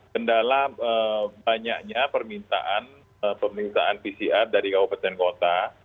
kendala banyaknya permintaan pemeriksaan pcr dari kabupaten kota